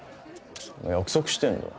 約束してんだよ。